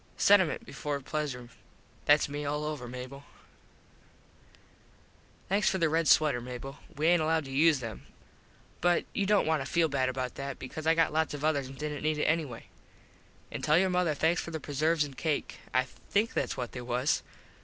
Sentiment before pleasure. Thats me all over, Mable. Thanks for the red sweter, Mable. We aint allowed to use them. But you dont want to feel bad about that cause I got lots of others an didnt need it anyway. An tell your mother thanks for the preserves an cake. I think thats what they was.